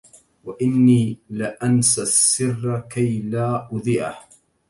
وإني لأنسى السر كي لا أذيعه